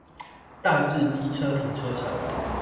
大智機車停車場